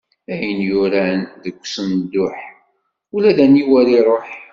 Ayen yuran deg usenduḥ, ula aniwer iṛuḥ.